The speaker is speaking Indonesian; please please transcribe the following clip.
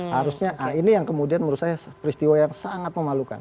harusnya ini yang kemudian menurut saya peristiwa yang sangat memalukan